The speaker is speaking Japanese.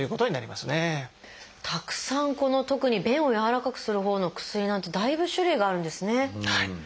たくさんこの特に便をやわらかくするほうの薬なんてだいぶ種類があるんですね。